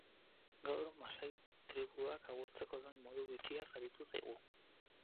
Gaur masai tribuak agurtzeko duen modu bitxiaz aritu zaigu.